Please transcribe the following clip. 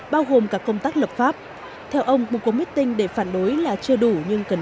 bao gồm các công tác lập pháp theo ông một cuộc meeting để phản đối là chưa đủ nhưng cần